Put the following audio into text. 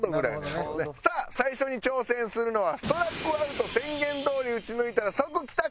さあ最初に挑戦するのはストラックアウト宣言通り撃ち抜いたら即帰宅！